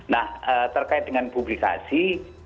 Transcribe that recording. nah terkait dengan publikasi